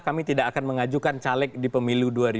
kami tidak akan mengajukan caleg di pemilu dua ribu dua puluh